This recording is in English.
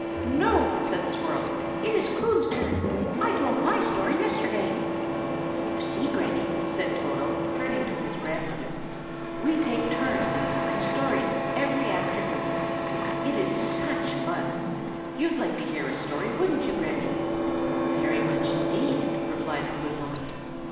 "No," said the squirrel. "It is Coon's turn. I told my story yesterday." "You see, Granny," said Toto, turning to his grandmother, "we take turns in telling stories, every afternoon. It is such fun! you'd like to hear a story, wouldn't you, Granny?" "Very much indeed!" replied the good woman.